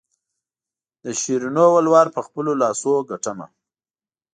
د شیرینو ولور په خپلو لاسو ګټمه.